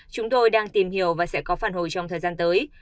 chúng tôi đang tìm hiểu và sẽ có phản hồi trong thời gian tới